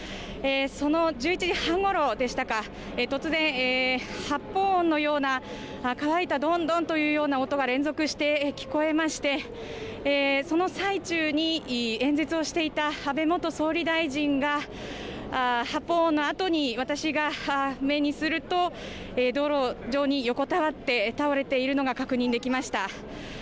その１１時半ごろでしたか、突然、発砲音のような乾いたどんどんというような音が連続して聞こえましてその最中に演説をしていた安倍元総理大臣が発砲音のあとに私が目にすると道路上に横たわって倒れているのが確認できました。